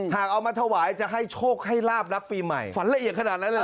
เอามาถวายจะให้โชคให้ลาบรับปีใหม่ฝันละเอียดขนาดนั้นแหละ